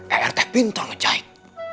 eer teh pintar ngejahit